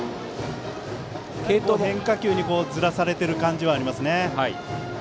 変化球にずらされている感じはありますね。